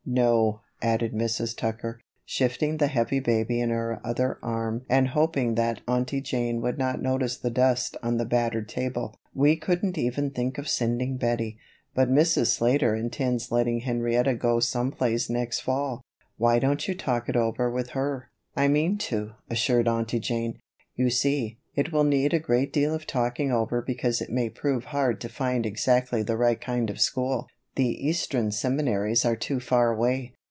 "No," added Mrs. Tucker, shifting the heavy baby to her other arm and hoping that Aunty Jane would not notice the dust on the battered table, "we couldn't even think of sending Bettie. But Mrs. Slater intends letting Henrietta go some place next fall; why don't you talk it over with her?" "I mean to," assured Aunty Jane. "You see, it will need a great deal of talking over because it may prove hard to find exactly the right kind of school. The eastern seminaries are too far away.